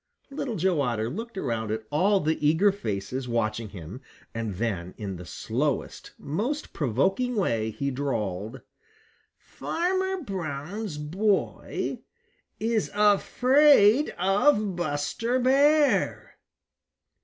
Little Joe Otter looked around at all the eager faces watching him, and then in the slowest, most provoking way, he drawled: "Farmer Brown's boy is afraid of Buster Bear."